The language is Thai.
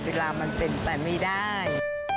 เวลามันเป็นไปไม่ได้